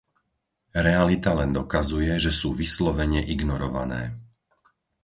Realita len dokazuje, že sú vyslovene ignorované.